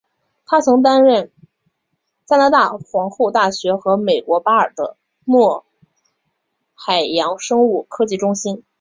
他曾任职加拿大皇后大学和美国巴尔的摩海洋生物科技中心。